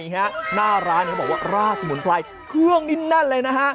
หน้าร้านเขาบอกว่าราดสมุนไพรเครื่องนี่แน่นเลยนะฮะ